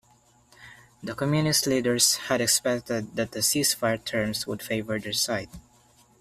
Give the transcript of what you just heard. The communist leaders had expected that the ceasefire terms would favour their side.